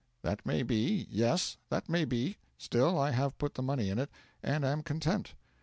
'That may be; yes, that may be; still, I have put the money in it, and am content.